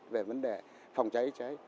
về vấn đề phòng cháy cháy